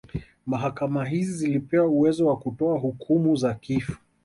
Mahakama hizi zilipewa uwezo wa kutoa hukumu za kifo